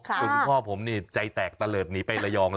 คุณพ่อผมใจแตกตะเลิศหนีไประยองละ